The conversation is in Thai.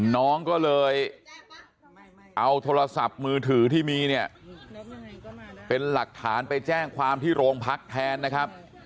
น้องก็เลยเอาโทรศัพท์มือถือที่มีเนี่ยเป็นหลักฐานไปแจ้งความที่โรงพักแทนนะครับ